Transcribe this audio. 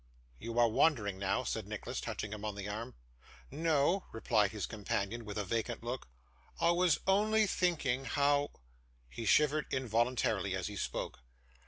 'You are wandering now,' said Nicholas, touching him on the arm. 'No,' replied his companion, with a vacant look 'I was only thinking how ' He shivered involuntarily as he spoke.